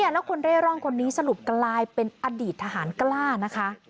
แล้วคนเร่ร่อนคนนี้สรุปกลายเป็นอดีตทหารกล้านะคะ